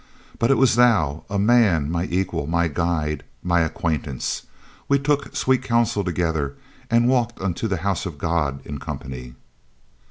But it was thou, a man my equal, my guide, and my acquaintance. We took sweet counsel together, and walked unto the house of God in company."